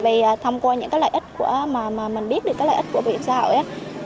vì thông qua những cái lợi ích mà mình biết được cái lợi ích của bảo hiểm xã hội